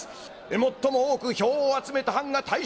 最も多く票を集めた藩が。